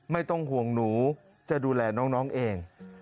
ไม่ต้องห่วงหนูจะดูแลน้องเอง